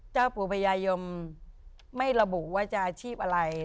เจ้าปู่พญายมไม่ระบุว่าจะอาชีพอะไร